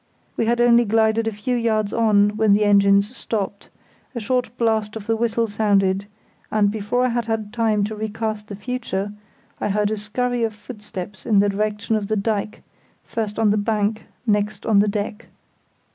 We had only glided a few yards on when the engines stopped, a short blast of the whistle sounded, and, before I had had time to recast the future, I heard a scurry of footsteps from the direction of the dyke, first on the bank, next on the deck.